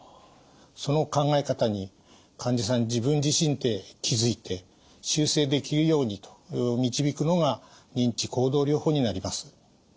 その考え方に患者さん自分自身で気付いて修正できるようにと導くのが認知行動療法になります。